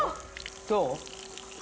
どう？